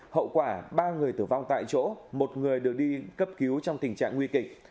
hậu quả ba người tử vong tại chỗ một người được đi cấp cứu trong tình trạng nguy kịch